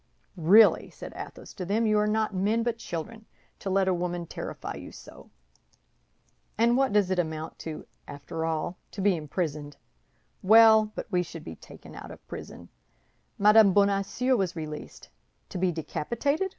"Really," said Athos to them, "you are not men but children, to let a woman terrify you so! And what does it amount to, after all? To be imprisoned. Well, but we should be taken out of prison; Madame Bonacieux was released. To be decapitated?